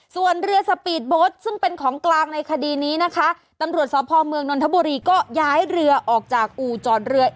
ส่วนเรือสปีดโบสต์ซึ่งเป็นของกลางในคดีนี้นะคะตำรวจสพเมืองนนทบุรีก็ย้ายเรือออกจากอู่จอดเรือ